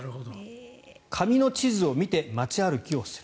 紙の地図を見て街歩きをする。